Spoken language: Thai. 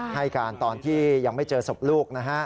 ให้การตอนที่ยังไม่เจอศพลูกนะฮะ